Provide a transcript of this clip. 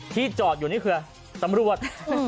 ที่จอดอยู่นี่คือตำรวจ